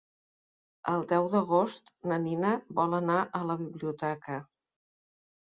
El deu d'agost na Nina vol anar a la biblioteca.